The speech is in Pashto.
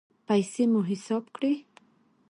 پیسې مو حساب کړئ